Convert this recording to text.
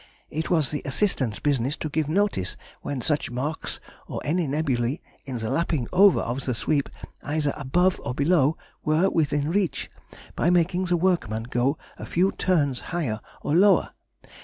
It was the assistant's business to give notice when such marks or any nebulæ in the lapping over of the sweep either above or below were within reach, by making the workman go a few turns higher or lower.